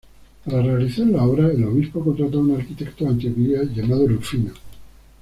Para realizar la obra el obispo contrató a un arquitecto de Antioquía llamado Rufino.